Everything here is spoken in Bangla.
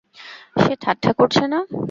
সে ঠাট্টা করছে না!